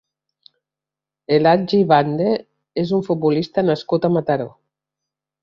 Elhadji Bandeh és un futbolista nascut a Mataró.